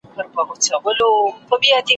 لاس یې پورته کی یا ربه!